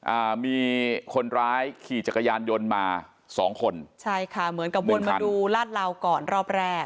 อ่ามีคนร้ายขี่จักรยานยนต์มาสองคนใช่ค่ะเหมือนกับวนมาดูลาดเหลาก่อนรอบแรก